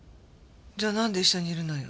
じゃあなんで一緒にいるのよ？